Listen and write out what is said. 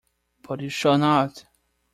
But you shall not!